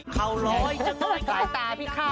ข่าวล้อยจังเลยอย่างนี้